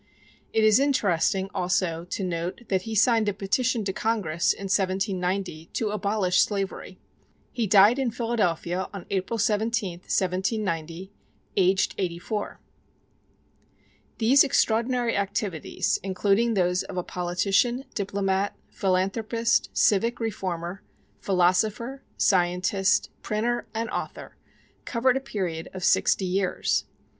It is interesting, also, to note that he signed a petition to Congress, in 1790, to abolish slavery. He died in Philadelphia on April 17, 1790, aged eighty four. These extraordinary activities, including those of a politician, diplomat, philanthropist, civic reformer, philosopher, scientist, printer, and author, covered a period of sixty years.